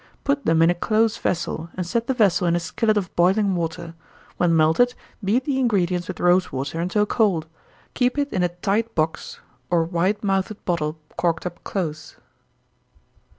Put them in a close vessel, and set the vessel in a skillet of boiling water. When melted, beat the ingredients with rosewater until cold. Keep it in a tight box, or wide mouthed bottle, corked up close.